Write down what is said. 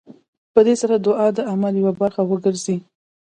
په دې سره دعا د عمل يوه برخه وګرځي.